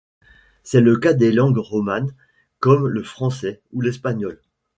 C'est le cas des langues romanes comme le français ou l'espagnol.